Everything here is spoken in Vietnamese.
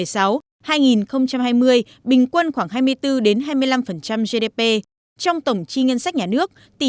trong tổng chi ngân sách nhà nước tỷ trị huy động vào ngân sách nhà nước so với gdp được duy trì ở mức ổn định hợp lý